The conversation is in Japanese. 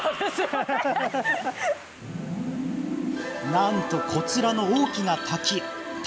なんと、こちらの大きな滝滝